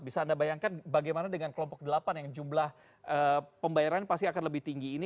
bisa anda bayangkan bagaimana dengan kelompok delapan yang jumlah pembayaran pasti akan lebih tinggi ini